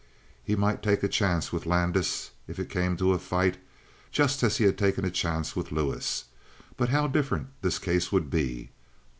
He might take a chance with Landis, if it came to a fight, just as he had taken a chance with Lewis. But how different this case would be!